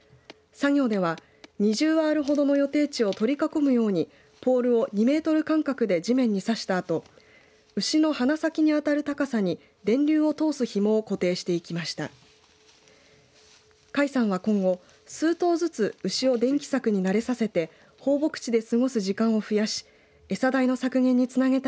作業では２０アールほどの予定地を取り囲むようにポールを２メートル間隔で地面に刺したあと牛の鼻先にあたる高さに電流を通すひもを固定していきました。